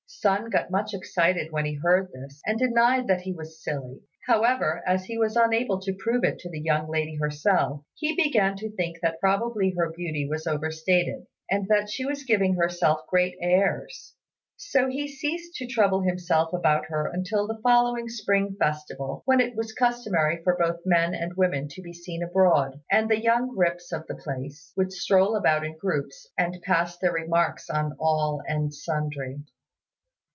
Sun got much excited when he heard this, and denied that he was silly; however, as he was unable to prove it to the young lady herself, he began to think that probably her beauty was over stated, and that she was giving herself great airs. So he ceased to trouble himself about her until the following spring festival, when it was customary for both men and women to be seen abroad, and the young rips of the place would stroll about in groups and pass their remarks on all and sundry.